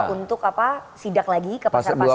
untuk sidak lagi ke pasar pasar